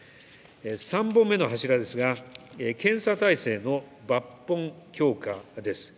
３本目の柱ですが、検査体制の抜本強化です。